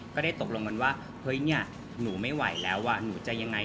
ก็ได้ตกลงกันว่าเฮ้ยเนี่ยหนูไม่ไหวแล้วหนูจะยังไง